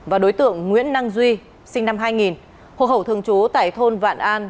và đối tượng nguyễn năng duy sinh năm hai nghìn hộ khẩu thường trú tại thôn vạn an